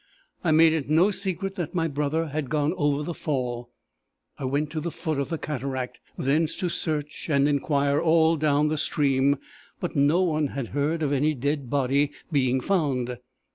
I made it no secret that my brother had gone over the fall. I went to the foot of the cataract, thence to search and inquire all down the stream, but no one had heard of any dead body being found.